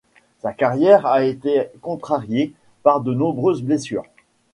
Sa carrière a été contrariée par de nombreuses blessures.